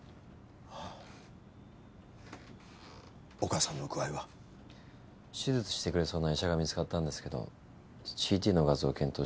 あぁお母さんの具合は？手術してくれそうな医者が見つかったんですけどＣＴの画像を検討したらやっぱり無理みたいで。